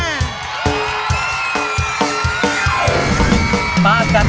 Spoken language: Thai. ซ้อมเบียงงั้นม้วนก็ควรจอย